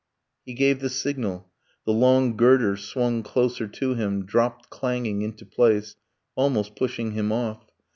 He gave the signal; the long girder swung Closer to him, dropped clanging into place, Almost pushing him off.